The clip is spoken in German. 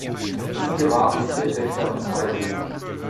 Ihm gebar sie vier Töchter und zwei Söhne.